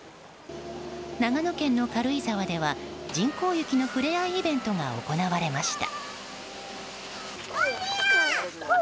長野県の軽井沢では人工雪の触れ合いイベントが行われました。